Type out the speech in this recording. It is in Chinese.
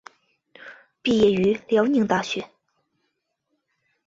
毕业于辽宁大学。